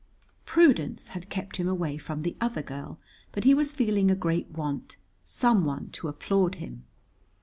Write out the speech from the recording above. Prudence had kept him away from the other girl, but he was feeling a great want: someone to applaud him.